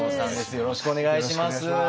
よろしくお願いします。